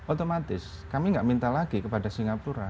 otomatis kami nggak minta lagi kepada singapura